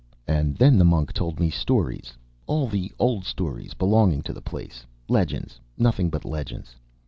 And then the monk told me stories, all the old stories belonging to the place, legends, nothing but legends.